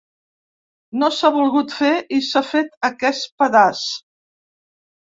No s’ha volgut fer, i s’ha fet aquest pedaç.